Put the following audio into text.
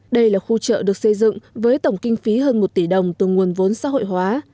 đây là khu chợ được xây dựng với tổng kinh phí hơn một tỷ đồng từ nguồn vốn xã hội hóa